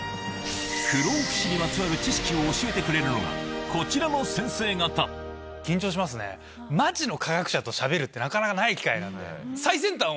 不老不死にまつわる知識を教えてくれるのがこちらの先生方緊張しますねマジの科学者としゃべるってなかなかない機会なので。